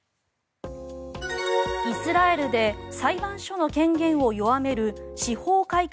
イスラエルで裁判所の権限を弱める司法改革